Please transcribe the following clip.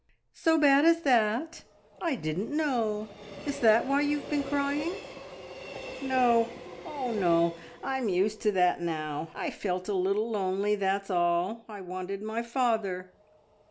"So bad as that! I didn't know. Is that why you have been crying?" "No oh no! I am used to that now. I felt a little lonely, that's all. I wanted my father."